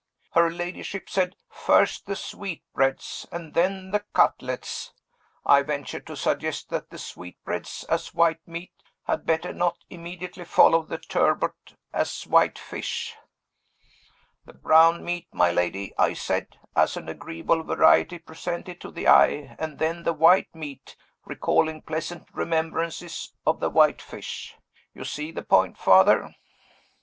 Her ladyship said, 'First the sweetbreads, and then the cutlets.' I ventured to suggest that the sweetbreads, as white meat, had better not immediately follow the turbot, as white fish. 'The brown meat, my lady,' I said, 'as an agreeable variety presented to the eye, and then the white meat, recalling pleasant remembrances of the white fish.' You see the point, Father?"